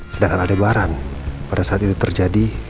sedangkan aldebaran pada saat itu terjadi